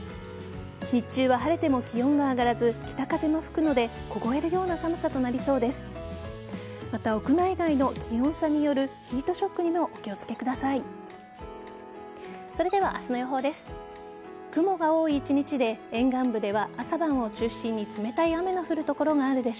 日中は晴れても気温が上がらず北風も吹くので凍えるような寒さとなりそうです。